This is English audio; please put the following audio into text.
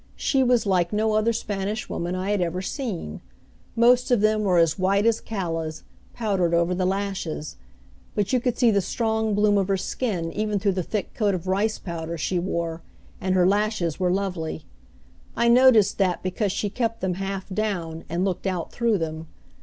She was like no other Spanish woman I had ever seen. Most of them are as white as callas, powdered over the lashes; but you could see the strong bloom of her skin even through the thick coat of rice powder she wore, and her lashes were lovely. I noticed that because she kept them half down, and looked out through them.